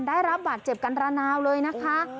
ได้รับบาดเจ็บกันระนาวเลยนะคะ